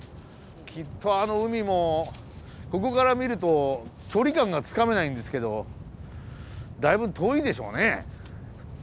きっとあの海もここから見ると距離感がつかめないんですけどだいぶ遠いでしょうね。